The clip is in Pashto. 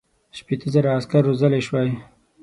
شپېته زره عسکر روزلای سوای.